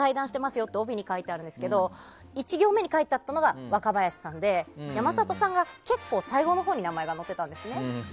よって帯に書いてあるんですけど１行目に書いてあったのが若林さんで山里さんが結構、最後のほうに名前が載ってたんですね。